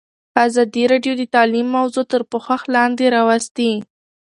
ازادي راډیو د تعلیم موضوع تر پوښښ لاندې راوستې.